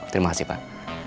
terima kasih pak